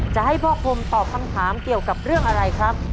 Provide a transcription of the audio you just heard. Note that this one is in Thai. จะให้พ่อพรมตอบคำถามเกี่ยวกับเรื่องอะไรครับ